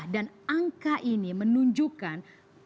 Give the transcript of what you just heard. dan angka ini menunjukkan